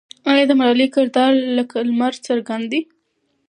آیا د ملالۍ کردار لکه لمر څرګند دی؟